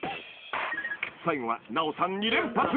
［最後は奈緒さん２連発］